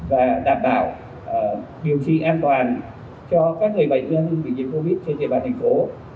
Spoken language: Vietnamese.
và đảm bảo điều trị an toàn cho các người bệnh nhân bị nhiễm covid trên địa bàn thành phố